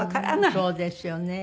そうですよね。